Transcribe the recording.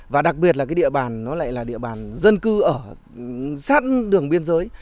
và đặc biệt là cái địa bàn nó lại là địa bàn dân cư ở sát đường biên giới